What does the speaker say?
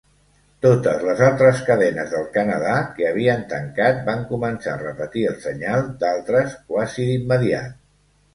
Totes les altres cadenes del Canadà que havien tancat van començar a repetir el senyal d'altres quasi d'immediat.